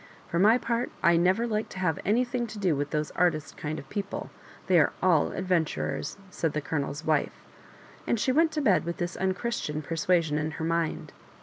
For my part I never like to have anything to do with those artist kind of people — they are all adventurers," said the Colonel's wife ; and she went to bed with this unchristian persuasion in her mind.